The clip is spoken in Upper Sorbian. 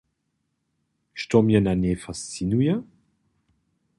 Što mje na njej fascinuje?